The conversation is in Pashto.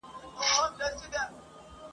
زه به قدم د رقیبانو پر لېمو ایږدمه ..